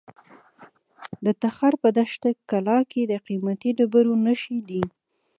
د تخار په دشت قلعه کې د قیمتي ډبرو نښې دي.